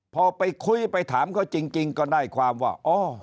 พอไปคุยไปถามเขาจริงก็ได้ความว่า